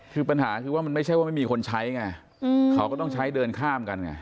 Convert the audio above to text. คือปัญหาคือว่ามันไม่ใช่ว่าไม่มีคนใช้ไงเขาก็ต้องใช้เดินข้ามกันไง